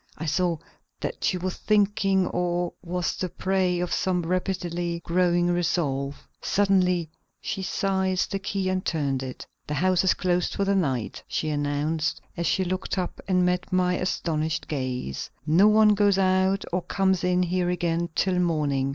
I saw that she was thinking or was the prey of some rapidly growing resolve. Suddenly she seized the key and turned it. "The house is closed for the night," she announced as she looked up and met my astonished gaze. "No one goes out or comes in here again till morning.